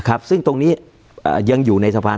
การแสดงความคิดเห็น